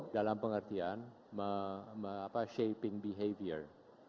dalam pengertian shaping behavior